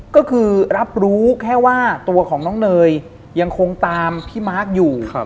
ก็คือรับรู้แค่ว่าตัวของน้องเนยยังคงตามพี่มาร์คอยู่